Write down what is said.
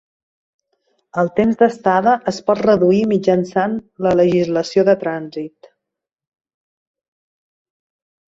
El temps d'estada es pot reduir mitjançant la legislació de trànsit.